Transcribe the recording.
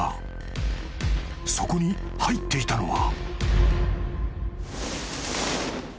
［そこに入っていたのは］